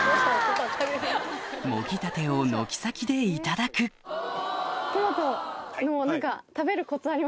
もぎたてを軒先でいただくハハハ！